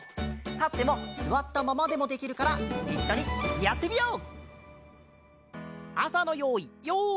たってもすわったままでもできるからいっしょにやってみよう！